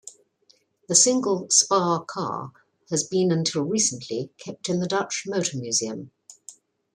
The single Spa car has been until recently kept in the Dutch Motor Museum.